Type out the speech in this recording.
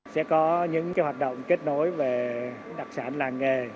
sẽ có những hoạt động kết nối về đặc sản làng nghề